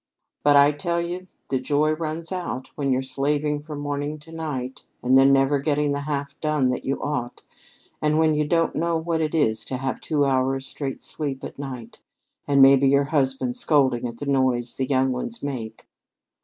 But, I tell you, the joy runs out when you're slaving from morning to night, and then never getting the half done that you ought; and when you don't know what it is to have two hours straight sleep at night; and maybe your husband scolding at the noise the young ones make.